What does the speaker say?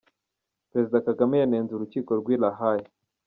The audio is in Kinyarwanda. Perezida Kagame yanenze Urukiko rw’i La Haye.